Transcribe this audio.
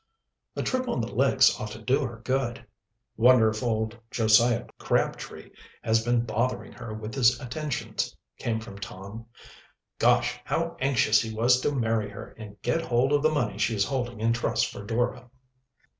"A trip on the lakes ought to do her good." "Wonder if old Josiah Crabtree has been bothering her with his attentions?" came from Tom. "Gosh! how anxious he was to marry her and get hold of the money she is holding in trust for Dora."